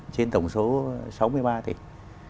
trên tổng số sáu mươi ba tỉnh